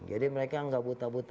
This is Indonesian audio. jadi mereka tidak buta buta